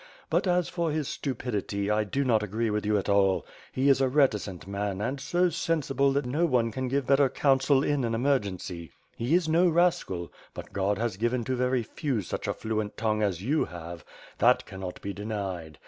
But, as for his stupidity I do not agree with yott at all; he is a reticent man and so sensible that no one can give better council in emergency. He is no rascal; but God has given to very few such a fluent tongue as you have, that can not be denied.